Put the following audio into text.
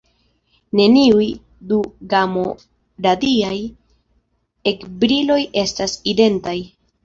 Neniuj du gamo-radiaj ekbriloj estas identaj.